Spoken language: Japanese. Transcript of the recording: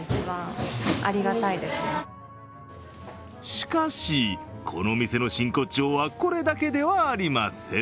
しかし、この店の真骨頂はこれだけではありません。